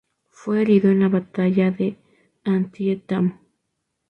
Fue herido en la Batalla de Antietam.